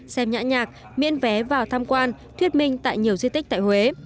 xem nhã nhạc miễn vé vào tham quan thuyết minh tại nhiều di tích tại huế